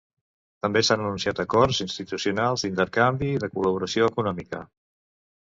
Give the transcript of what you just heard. També s'han anunciat acords institucionals, d'intercanvi i de col·laboració econòmica.